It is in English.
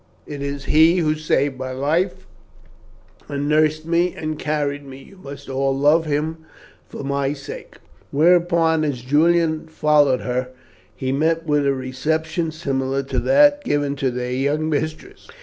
It is he who saved my life, and nursed me, and carried me. You must all love him for my sake," whereupon, as Julian followed her, he met with a reception similar to that given to their young mistress.